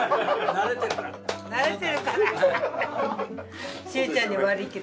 慣れてるから。